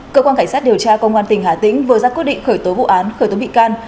cơ quan cảnh sát điều tra công an tỉnh hà tĩnh vừa ra quyết định khởi tố vụ án khởi tố bị can